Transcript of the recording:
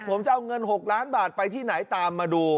ผมจะเอาเงิน๖ล้านบาทไปที่ไหนตามมาดู